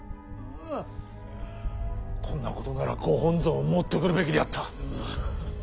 こんなことならご本尊を持ってくるべきであった。